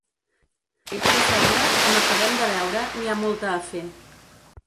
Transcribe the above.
De feina, com acabem de veure, n’hi ha molta a fer.